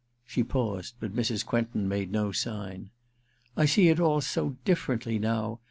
She paused, but Mrs. Quentin made no sign. ^I see it all so differently now.